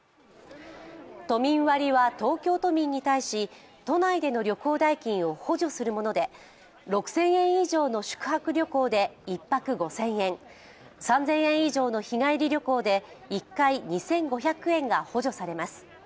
都民割は、東京都民に対し都内での旅行代金を補助するもので６０００円以上の宿泊旅行で１泊５０００円、３０００円以上の日帰り旅行で１回２５００円が補助されます。